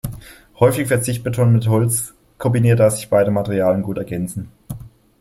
Häufig wird Sichtbeton mit Holz kombiniert, da sich beide Materialien gut ergänzen.